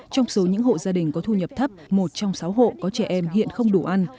trong số những hộ gia đình có thu nhập thấp một trong sáu hộ có trẻ em hiện không đủ ăn